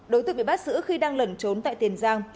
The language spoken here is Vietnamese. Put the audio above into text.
đối tượng bị bắt giữ khi đang lẩn trốn tại tiền giang